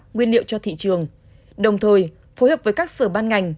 nguyên liệu cho thị trường đồng thời phối hợp với các sở ban ngành